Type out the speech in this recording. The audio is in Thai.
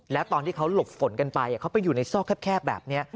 แล้วตอนที่เขาหลบฝนกันไปเขาไปอยู่ในซอกแคบแบบนี้